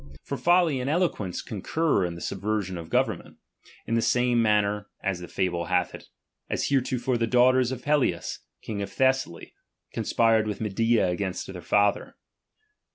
Yov folly and eloquence concur in the subversion of government, in the same manner (as the fable hath it) as heretofore the daughters of Pelias, king of Thessaly, con spired with Medea against their father.